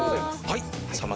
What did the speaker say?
はい。